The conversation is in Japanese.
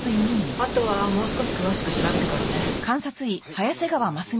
あとはもう少し詳しく調べてからね。